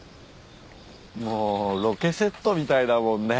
もうロケセットみたいだもんね。